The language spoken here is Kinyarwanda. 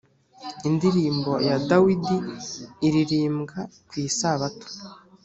indirimbo ya dawidi iririmbwa kwisabato